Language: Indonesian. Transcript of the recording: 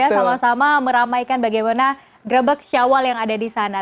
sama sama meramaikan bagaimana grebek syawal yang ada di sana